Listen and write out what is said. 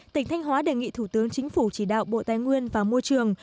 tỉnh thanh hóa đề nghị thủ tướng chính phủ chỉ đạo bộ tài nguyên và môi trường